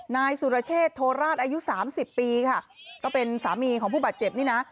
นายสุรเชษโทราชอายุสามสิบปีค่ะก็เป็นสามีของผู้บาดเจ็บนี่นะ